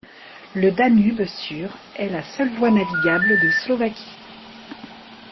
Le Danube sur est la seule voie navigable de Slovaquie.